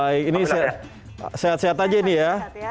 baik ini sehat sehat aja ini ya